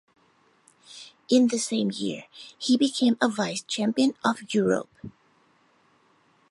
In the same year, he became a vice champion of Europe.